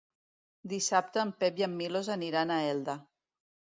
Dissabte en Pep i en Milos aniran a Elda.